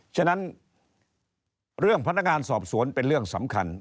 ฉะนั้นเรื่องพนักงานสอบสวนเป็นเรื่องสำคัญ